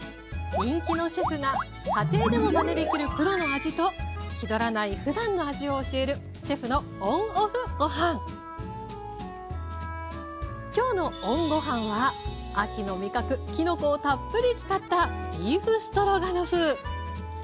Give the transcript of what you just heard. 人気のシェフが家庭でもまねできるプロの味と気取らないふだんの味を教える今日のＯＮごはんは秋の味覚きのこをたっぷり使ったビーフストロガノフ。